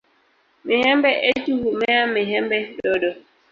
Mihembe echu humea mihembe dodo.